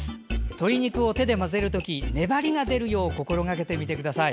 鶏肉を手で混ぜるとき粘りが出るよう心がけてください。